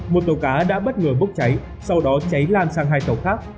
một tàu cá đã bất ngờ bốc cháy sau đó cháy lan sang hai tàu khác